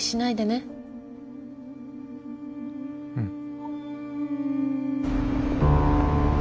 うん。